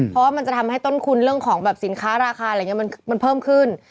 เพราะว่ามันจะทำให้ต้นทุนเรื่องของแบบสินค้าราคาอะไรอย่างนี้มันเพิ่มขึ้น